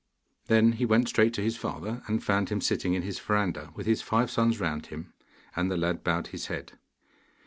Then he went straight to his father, and found him sitting in his verandah with his five sons round him; and the lad bowed his head.